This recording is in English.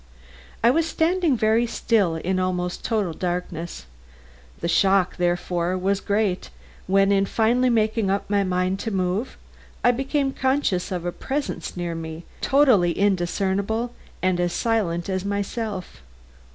I was standing very still and in almost total darkness. The shock, therefore, was great when, in finally making up my mind to move, I became conscious of a presence near me, totally indiscernible and as silent as myself.